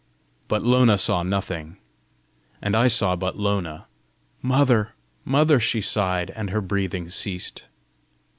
But Lona saw nothing, and I saw but Lona. "Mother! mother!" she sighed, and her breathing ceased.